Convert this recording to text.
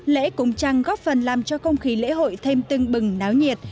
lễ cúng trăng góp phần làm cho không khí lễ hội thêm tưng bừng náo nhiệt